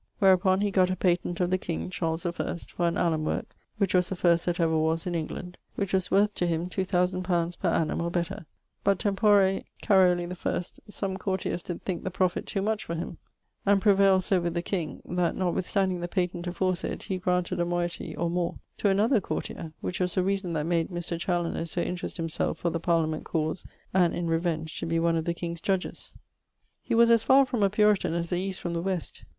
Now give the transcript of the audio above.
Wherupon he gott a patent of the king (Charles I) for an allum worke (which was the first that ever was in England), which was worth to him two thousand pounds per annum, or better: but tempore Caroli Iᵐⁱ some courtiers did thinke the profitt too much for him, and prevailed so with the king, that, notwithstanding the patent aforesayd, he graunted a moeitie, or more, to another (a courtier), which was the reason that made Mr. Chaloner so interest himselfe for the Parliament cause, and, in revenge, to be one of the king's judges. He was as far from a puritan as the East from the West.